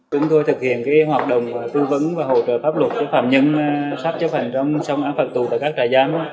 chúng tôi thực hiện hoạt động tư vấn và hỗ trợ pháp luật cho phạm nhân sắp chấp hành trong án phạt tù tại các trại giam